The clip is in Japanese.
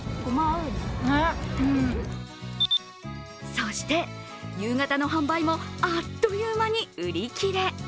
そして、夕方の販売もあっという間に売り切れ。